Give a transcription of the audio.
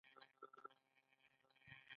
استاد د ویاړ ځای لري.